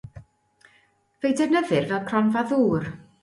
Fe'i defnyddir fel cronfa ddŵr.